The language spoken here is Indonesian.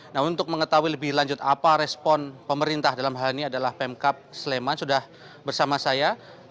nah untuk mengetahui lebih lanjut apa respon pemerintah dalam hal ini adalah pemkap sleman sudah bersama saya